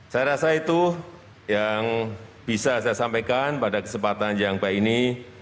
saya rasa itu yang bisa saya sampaikan pada kesempatan yang baik ini